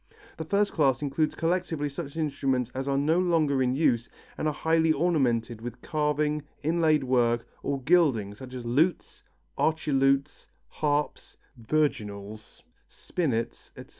The first class includes collectively such instruments as are no longer in use and are highly ornamented with carving, inlaid work or gilding such as lutes, archilutes, harps, virginals, spinets, etc.